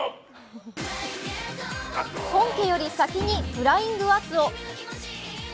本家より先にフライング熱男。